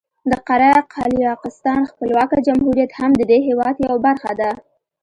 د قره قالیاقستان خپلواکه جمهوریت هم د دې هېواد یوه برخه ده.